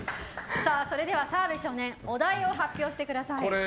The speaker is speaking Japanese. それでは澤部少年お題を発表してください。